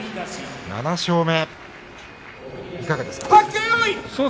７勝目、いかがですか。